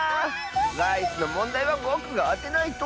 ライスのもんだいはぼくがあてないと。